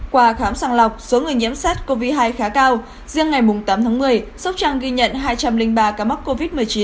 qua khám sàng lọc số người nhiễm sát covid một mươi chín khá cao riêng ngày tám một mươi sóc trăng ghi nhận hai trăm linh ba ca mắc covid một mươi chín